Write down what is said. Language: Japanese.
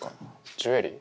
ジュエリー？